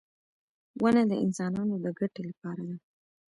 • ونه د انسانانو د ګټې لپاره ده.